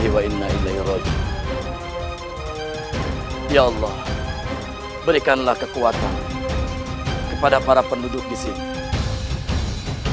ya allah berikanlah kekuatan kepada para penduduk di sini